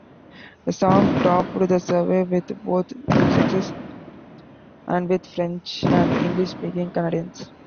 The song topped the survey with both sexes, and with French and English-speaking Canadians.